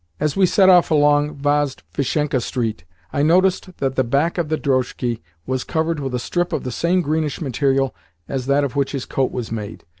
As we set off along Vozdvizhenka Street, I noticed that the back of the drozhki was covered with a strip of the same greenish material as that of which his coat was made.